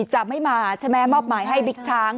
จะไม่มาใช่ไหมมอบหมายให้บิ๊กช้าง